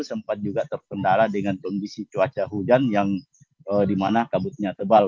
sempat juga terkendala dengan kondisi cuaca hujan yang dimana kabutnya tebal